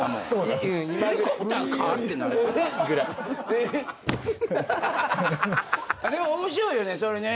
「エヘッ」でも面白いよねそれね。